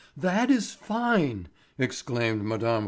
"That is fine!" exclaimed Mme.